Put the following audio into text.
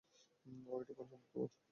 ওহ, ওটা পছন্দ তোমার?